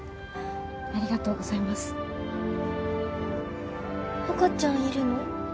ありがとうございます赤ちゃんいるの？